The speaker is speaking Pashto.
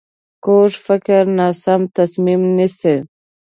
کوږ فکر ناسم تصمیم نیسي